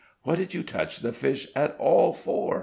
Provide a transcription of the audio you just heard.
"What did you touch the fish at all for?"